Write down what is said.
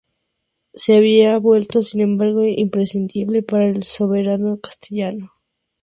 Se había vuelto sin embargo imprescindible para el soberano castellano.